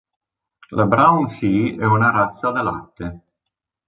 La "Braunvieh" è una razza da latte.